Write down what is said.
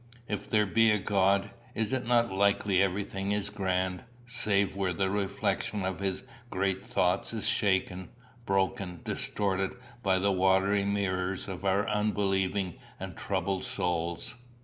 If there be a God, is it not likely everything is grand, save where the reflection of his great thoughts is shaken, broken, distorted by the watery mirrors of our unbelieving and troubled souls?